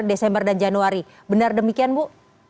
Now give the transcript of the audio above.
desember dan januari benar demikian bu